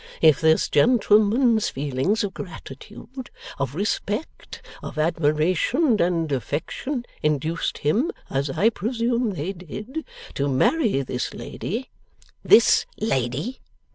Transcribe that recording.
If this gentleman's feelings of gratitude, of respect, of admiration, and affection, induced him (as I presume they did) to marry this lady ' 'This lady!